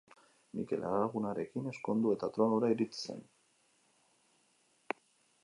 Mikel alargunarekin ezkondu eta tronura iritsi zen.